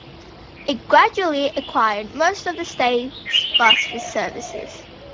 It gradually acquired most of the state's bus services.